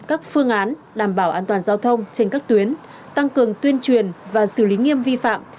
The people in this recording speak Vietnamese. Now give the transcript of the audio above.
các phương án đảm bảo an toàn giao thông trên các tuyến tăng cường tuyên truyền và xử lý nghiêm vi phạm